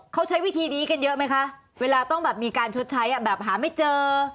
เขาใช้วิธีนี้กันเยอะไหมคะเวลาต้องแบบมีการชดใช้แบบหาไม่เจอ